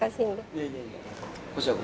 いやいやいや。